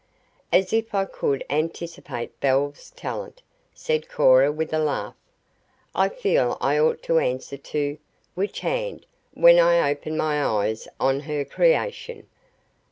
"As if I could anticipate Belle's talent," said Cora with a laugh. "I feel I ought to answer to 'which hand' when I open my eyes on her creation."